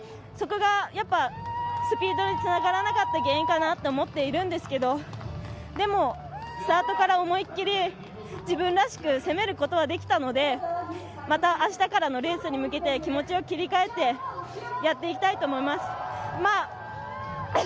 そこが、スピードにつながらなかった原因かなと思っているんですけどでも、スタートから思いっきり自分らしく攻めることはできたのでまた、あしたからのレースに向け気持ちを切り替えてやっていきたいと思います。